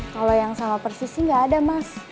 kalo yang sama persis sih gak ada mas